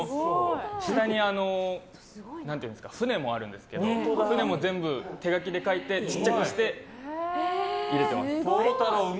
下に船もあるんですけど船も全部、手書きで描いて小さくして、入れてます。